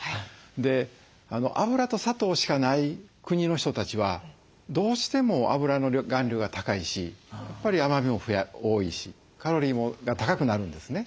で脂と砂糖しかない国の人たちはどうしても脂の含量が高いしやっぱり甘みも多いしカロリーが高くなるんですね。